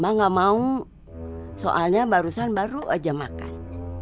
ma nggak mau soalnya barusan baru aja makan